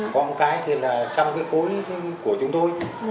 có một cái thì là trong cái khối của chúng tôi